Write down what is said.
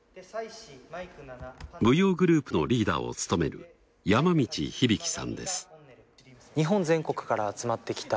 舞踊グループのリーダーを務める山道ヒビキさんです。